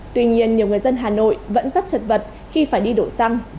tuy nhiên nhiều người dân hà nội vẫn rất chật vật khi phải đi đổ xăng